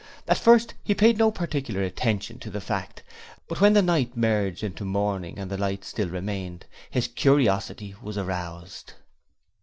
At first he paid no particular attention to the fact, but when night merged into morning and the light still remained, his curiosity was aroused.